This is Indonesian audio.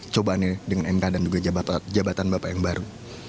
cobaannya dengan mk dan juga jabatan bapak yang baru